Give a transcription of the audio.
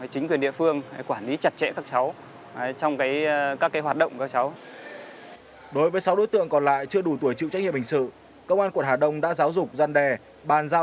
chính quyền địa phương quản lý chặt chẽ các cháu trong các hoạt động